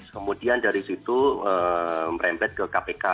kemudian dari situ merembet ke kpk